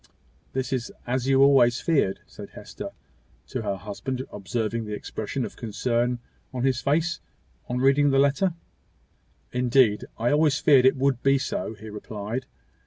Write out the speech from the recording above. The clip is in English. "This is as you always feared," said Hester to her husband, observing the expression of concern in his face, on reading the letter. "Indeed, I always feared it would be so," he replied.